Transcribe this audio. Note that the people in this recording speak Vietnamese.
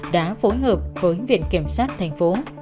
đã phối hợp với viện kiểm soát manufacturing